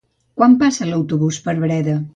Quan passa l'autobús per Breda?